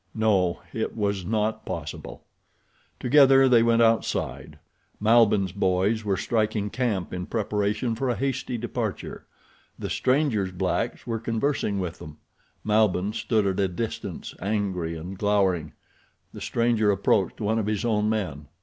No, it was not possible. Together they went outside. Malbihn's boys were striking camp in preparation for a hasty departure. The stranger's blacks were conversing with them. Malbihn stood at a distance, angry and glowering. The stranger approached one of his own men.